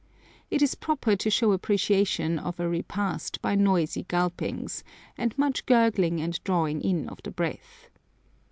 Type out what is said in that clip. It is proper to show appreciation of a repast by noisy gulpings, and much gurgling and drawing in of the breath.